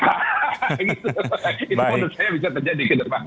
ini menurut saya bisa terjadi ke depan